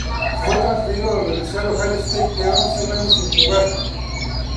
Fue transferido a la Universidad de Ohio State, quedándose un año sin jugar.